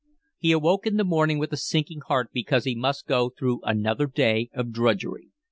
He awoke in the morning with a sinking heart because he must go through another day of drudgery.